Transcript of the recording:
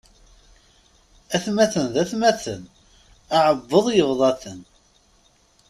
Atmaten d atmaten, aεebbuḍ yebḍa-ten.